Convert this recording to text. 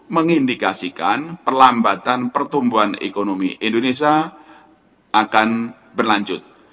mengindikasikan perlambatan pertumbuhan ekonomi indonesia akan berlanjut